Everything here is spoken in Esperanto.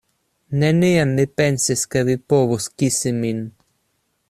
Neniam mi pensis, ke vi povus kisi min.